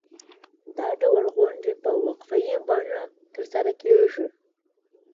دا ډول غونډې په وقفې بڼه ترسره کېږي.